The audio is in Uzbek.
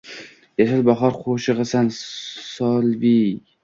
Yashil bahor qo’shig’isan, Solveyg!